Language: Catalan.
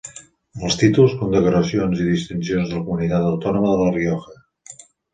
En els títols, condecoracions i distincions de la Comunitat Autònoma de la Rioja.